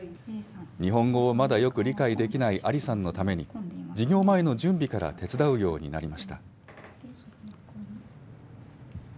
日本語をまだよく理解できないアリさんのために、授業前の準備から手伝うようになりました。